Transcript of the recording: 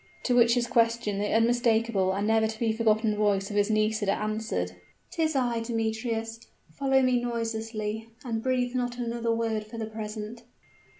to which question the unmistakable and never to be forgotten voice of his Nisida answered, "'Tis I, Demetrius. Follow me noiselessly, and breathe not another word for the present!"